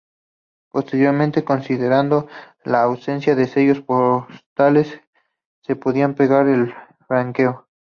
Posteriormente, considerando la ausencia de sellos postales, se podía pagar el franqueo.